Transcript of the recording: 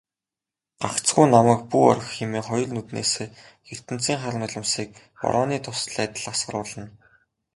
"Гагцхүү намайг бүү орхи" хэмээн хоёр нүднээсээ ертөнцийн хар нулимсыг борооны дусал адил асгаруулна.